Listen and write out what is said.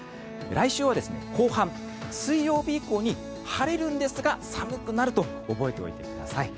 来週は後半、水曜日以降に晴れるんですが寒くなると覚えておいてください。